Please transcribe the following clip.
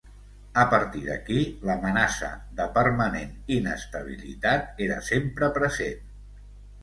A partir d'aquí, l'amenaça de permanent inestabilitat era sempre present.